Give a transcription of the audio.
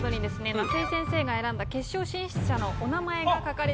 夏井先生が選んだ決勝進出者のお名前が書かれています。